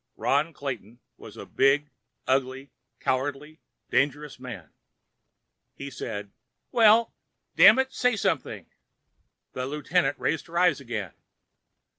Ron Clayton was a big, ugly, cowardly, dangerous man. He said: "Well? Dammit, say something!" The lieutenant raised her eyes again.